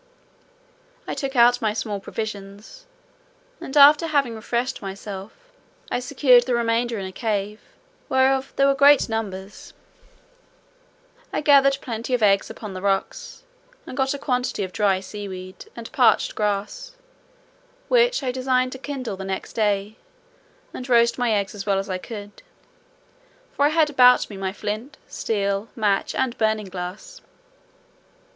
I took out my small provisions and after having refreshed myself, I secured the remainder in a cave, whereof there were great numbers; I gathered plenty of eggs upon the rocks, and got a quantity of dry sea weed, and parched grass, which I designed to kindle the next day, and roast my eggs as well as I could, for I had about me my flint, steel, match, and burning glass.